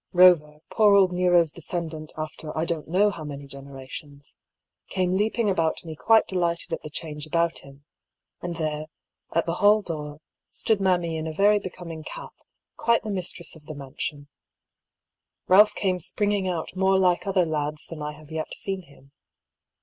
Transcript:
Eover, poor old Nero's descendant after I don't know how many generations, came leaping about me quite de lighted at the change about him ; and there, at the^hall door, stood mammy in a very becoming cap, quite the mistress of the mansion, fialph came springing out more like other lads than I have yet seen him.